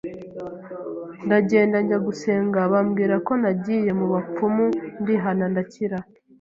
ndagenda njya gusenga bambwira ko nagiye mu bapfumu ndihana ndakira,